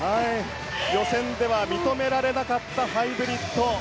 予選では認められなかったハイブリッド。